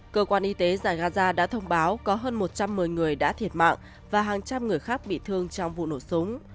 cơ quan y tế giải gaza đã thông báo có hơn một trăm một mươi người đã thiệt mạng và hàng trăm người khác bị thương trong vụ nổ súng